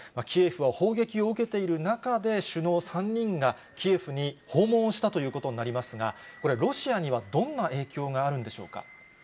キエフは砲撃を受けている中で、首脳３人がキエフに訪問をしたということになりますが、これ、ロシアにはどんな影響があるんでしょうか。